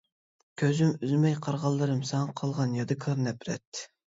كۆزۈم ئۈزمەي قارىغانلىرىم، ساڭا قالغان يادىكار نەپرەت.